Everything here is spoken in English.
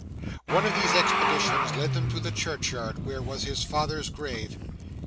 One of these expeditions led them through the churchyard where was his father's grave.